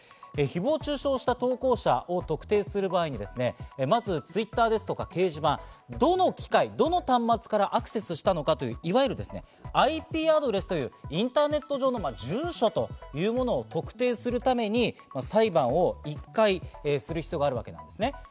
誹謗中傷した投稿者を特定する場合にはまずＴｗｉｔｔｅｒですとか、掲示板、どの機械、どの端末からアクセスしたのかという、いわゆるＩＰアドレスというインターネット上の住所というもの特定するために、裁判を１回する必要があるんですね。